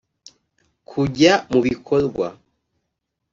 kujya mu bikorwa